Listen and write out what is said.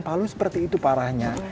palu seperti itu parahnya